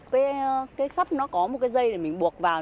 cái sắp nó có một cái dây để mình buộc vào